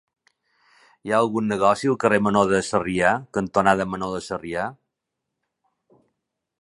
Hi ha algun negoci al carrer Menor de Sarrià cantonada Menor de Sarrià?